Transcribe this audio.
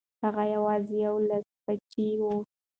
هغه یوازې یو لاسپوڅی و.